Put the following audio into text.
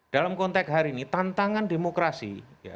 dalam konteks hari ini tantangan demokrasi